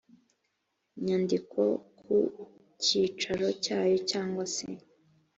nyandiko ku cyicaro cyayo cyangwa se